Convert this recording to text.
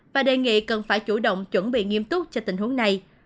và đề nghị cần phải chủ động chuẩn bị nghiêm túc cho tình huống này